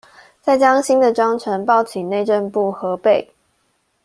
再將新的章程報請內政部核備